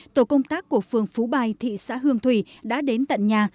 tổ công tác của phường phú bài thị xã hương thủy đã đến tận nhà